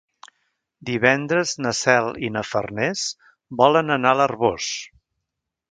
Divendres na Cel i na Farners volen anar a l'Arboç.